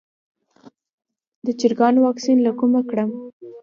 د چرګانو واکسین له کومه کړم؟